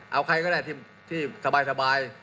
เอาใครก็ได้ที่สบาย